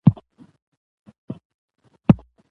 سپورت د بدن لپاره ګټور دی